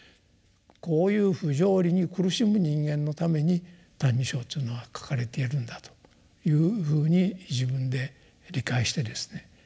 こういう不条理に苦しむ人間のために「歎異抄」というのは書かれているんだというふうに自分で理解してですね